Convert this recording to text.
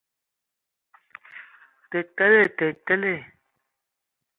Tə tele! Tə tele.